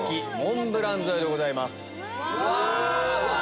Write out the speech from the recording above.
うわ！